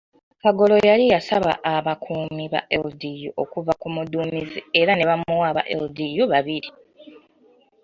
Kagolo yali yasaba abakuumi ba LDU okuva ku muduumizi era ne bamuwa aba LDU babiri.